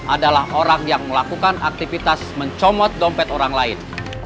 adalah orang yang melakukan aktivitas mencomot dompet orang lain